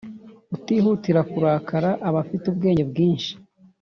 Utihutira kurakara aba afite ubwenge bwinshi